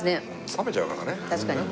冷めちゃうからね。